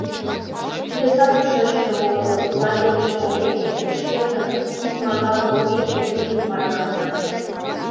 Весат ушешыже возо: лагерь гыч толмекыже, шкетын икмагал илымек, Улим марлан нале.